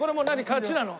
勝ちなの？